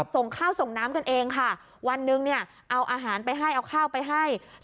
ส่งข้าวส่งน้ำกันเองค่ะวันหนึ่งเนี่ยเอาอาหารไปให้เอาข้าวไปให้